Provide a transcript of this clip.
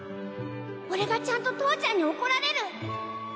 俺がちゃんと父ちゃんに怒られる